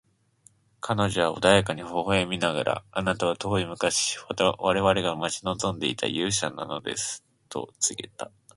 彼女は穏やかに微笑みながら、「あなたは遠い昔、我々が待ち望んでいた勇者なのです」と告げた。